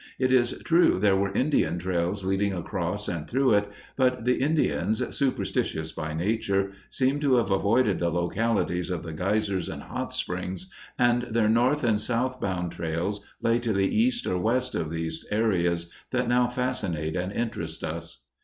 It is true there were Indian trails leading across and through it, but the Indians, superstitious by nature, seem to have avoided the localities of the geysers and hot springs, and their north and south bound trails lay to the east or west of these areas that now fascinate and interest us.